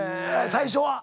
最初は。